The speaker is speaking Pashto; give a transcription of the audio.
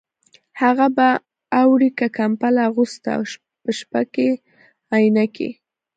هغه په اوړي کې کمبله اغوسته او په شپه کې عینکې